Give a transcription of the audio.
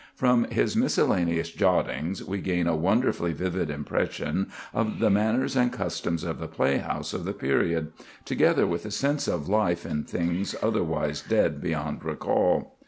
From his miscellaneous jottings we gain a wonderfully vivid impression of the manners and customs of the playhouse of the period, together with a sense of life in things otherwise dead beyond recall.